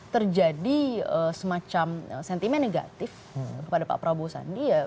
terjadi semacam sentimen negatif kepada pak prabowo sandi